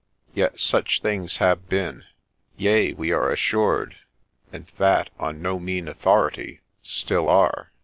' Yet such things have been : yea, we are assured, and that on no mean authority, still are.